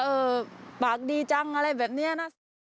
ปากดีจังอะไรแบบนี้นะ